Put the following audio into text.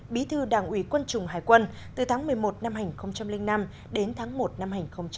bí thư đảng ủy quân chủng hải quân từ tháng một mươi một năm hai nghìn năm đến tháng một năm hai nghìn một mươi